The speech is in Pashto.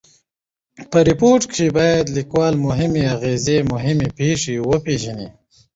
په ریپورټ کښي باید لیکوال مهمي اوغیري مهمي پېښي وپېژني.